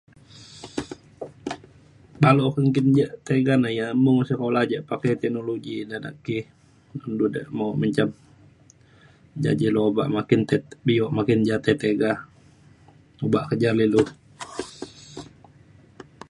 dalau ke nggin ja tiga nai ya mung sekula yak pakai teknologi de na’at ki du de mo menjam ja je lu obak makin te bio makin ja te tiga obak ke ja me ilu.